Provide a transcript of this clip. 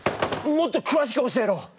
もっとくわしく教えろ！